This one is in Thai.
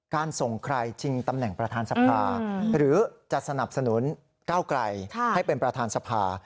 ส่งใครชิงตำแหน่งประธานสภาหรือจะสนับสนุนก้าวไกลให้เป็นประธานสภา